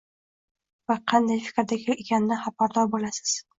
va qanday fikrda ekanidan xabardor boʻlasiz.